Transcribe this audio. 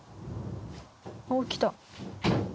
あっ起きた！